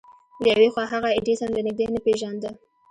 له يوې خوا هغه ايډېسن له نږدې نه پېژانده.